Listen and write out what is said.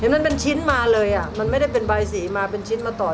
เห็นมันเป็นชิ้นมาเลยอ่ะมันไม่ได้เป็นใบสีมา